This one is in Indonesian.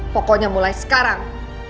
pokoknya mulai sekarang